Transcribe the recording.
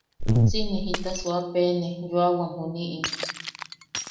Si ne jita suuapene yoawam juniʼi.